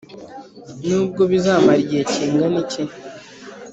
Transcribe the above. nubwo bizamara igihe kingana iki.